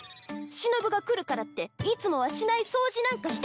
しのぶが来るからっていつもはしない掃除なんかして。